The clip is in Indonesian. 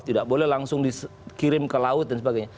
tidak boleh langsung dikirim ke laut dan sebagainya